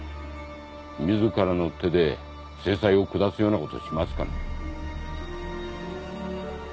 自らの手で制裁を下すようなことしますかね。